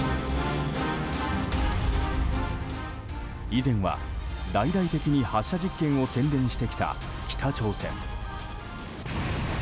以前は大々的に発射実験を宣伝してきた北朝鮮。